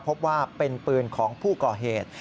พบว่าเป็นปืนของผู้ก่อเหตุ